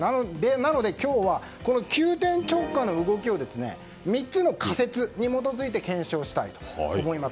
なので今日は急転直下の動きを３つの仮説に基づいて検証したいと思います。